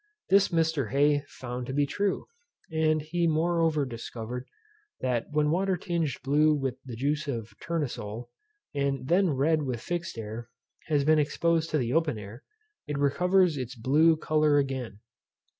This Mr. Hey found to be true, and he moreover discovered that when water tinged blue with the juice of tournesole, and then red with fixed air, has been exposed to the open air, it recovers its blue colour again.